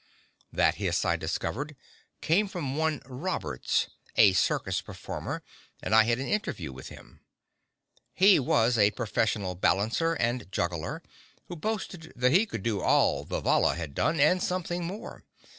This hiss, I discovered, came from one Roberts, a circus performer, and I had an interview with him. He was a professional balancer and juggler, who boasted that he could do all Vivalla had done and something more.